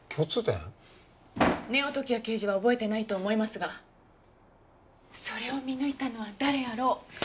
ネオ時矢刑事は覚えてないと思いますがそれを見抜いたのは誰あろうパレオ時矢刑事です。